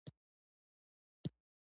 کلي افغانانو ته په معنوي لحاظ ارزښت لري.